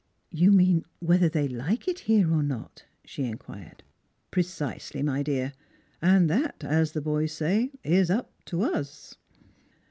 " You mean whether they like it here or not? " she inquired. " Precisely, my dear. And that, as the boys say, ' is up to us'."